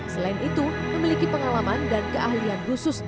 selain itu memiliki pengalaman dan keahlian khusus